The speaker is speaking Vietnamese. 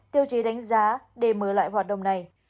tiêu chí đánh giá để mở lại hoạt động này